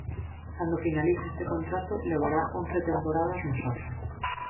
Cando finalice este contrato levará once temporadas no Sar.